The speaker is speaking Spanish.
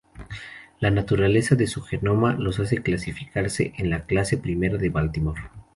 La naturaleza de su genoma los hace clasificarse en la clase I de Baltimore.